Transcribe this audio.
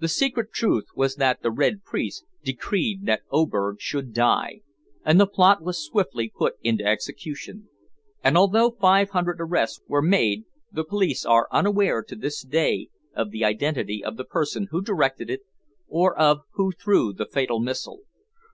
The secret truth was that the "Red Priest" decreed that Oberg should die, and the plot was swiftly put into execution, and although five hundred arrests were made the police are unaware to this day of the identity of the person who directed it, or of who threw the fatal missile.